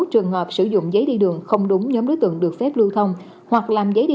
trường hợp sử dụng giấy đi đường không đúng nhóm đối tượng được phép lưu thông hoặc làm giấy đi